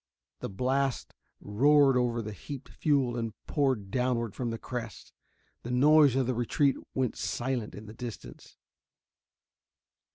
The blast roared over the heaped fuel and poured downward from the crest. The noise of the retreat went silent in the distance.